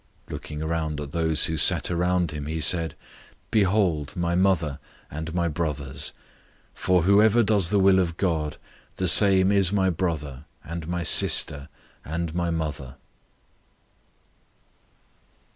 003:034 Looking around at those who sat around him, he said, "Behold, my mother and my brothers! 003:035 For whoever does the will of God, the same is my brother, and my sister, and mother."